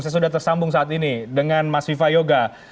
saya sudah tersambung saat ini dengan mas viva yoga